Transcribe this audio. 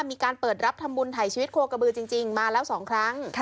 มีการเปิดรับทำบุญถ่ายชีวิตโคกระบือจริงมาแล้ว๒ครั้ง